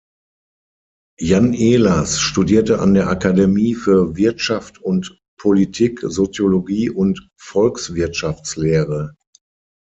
Jan Ehlers studierte an der Akademie für Wirtschaft und Politik Soziologie und Volkswirtschaftslehre.